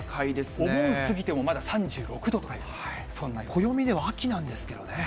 お盆過ぎても、まだ３６度と暦では秋なんですけどね。